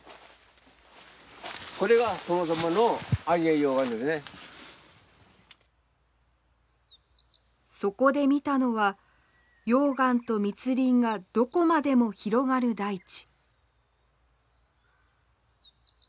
これがそもそものそこで見たのは溶岩と密林がどこまでも広がる大地。